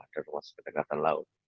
dan ruang sepedang kata laut